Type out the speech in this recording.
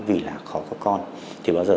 vì là khó có con thì bao giờ